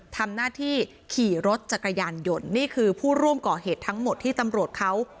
ทำหน้าที่ขี่รถจักรยานยนต์นี่คือผู้ร่วมก่อเหตุทั้งหมดที่ตำรวจเขา